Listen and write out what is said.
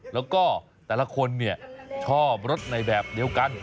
แล้วก็แต่ละคนชอบรถในแบบเดียวกัน